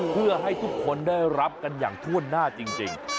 เพื่อให้ทุกคนได้รับกันอย่างถ้วนหน้าจริง